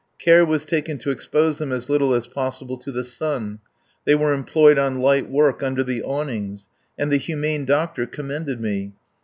Care was taken to expose them as little as possible to the sun. They were employed on light work under the awnings. And the humane doctor commended me.